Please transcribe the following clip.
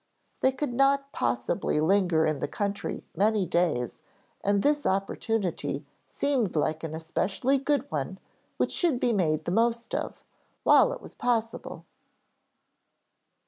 They could not possibly linger in the country many days and this opportunity seemed like an especially good one which should be made the most of, while it was possible.